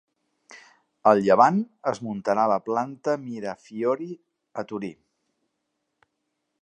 El Llevant es muntarà a la planta Mirafiori, a Torí.